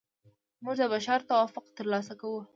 موږ د بشر توافق ترلاسه کوو.